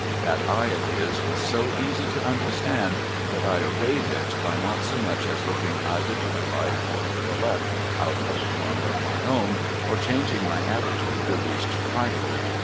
That eye of his was so easy to understand, that I obeyed it by not so much as looking either to the right or to the left out of a corner of my own, or changing my attitude the least trifle.